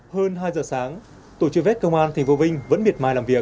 hơn hai giờ sáng tổ truy vết công an thành phố vinh vẫn miệt mai làm việc